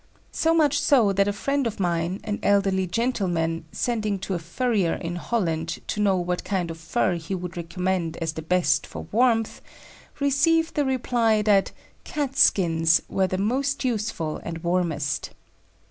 So much so that a friend of mine, an elderly gentleman, sending to a furrier in Holland to know what kind of fur he would recommend as the best for warmth, received the reply that Cats' skins "were the most useful and warmest."